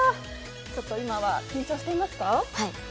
ちょっと今は緊張していますか？